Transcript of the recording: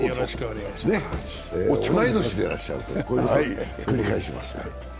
同い年でいらっしゃるということでお願いします。